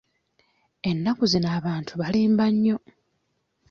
Ennaku zino abantu balimba nnyo.